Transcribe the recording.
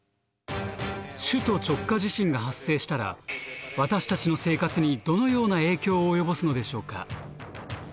首都直下地震が発生したら私たちの生活にどのような影響を及ぼすのでしょうか？